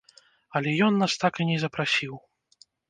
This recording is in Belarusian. Але ён нас так і не запрасіў.